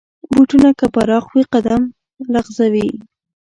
بوټونه که پراخ وي، قدم لغزوي.